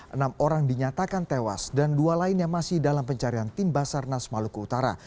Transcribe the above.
enam orang dinyatakan tewas dan dua lainnya masih dalam pencarian tim basarnas maluku utara